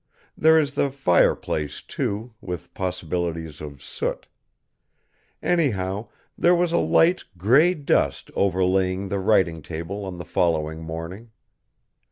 There is the fireplace, too, with possibilities of soot. Anyhow, there was a light gray dust overlaying the writing table on the following morning.